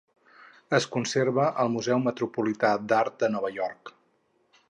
Es conserva al Museu Metropolità d'Art de Nova York.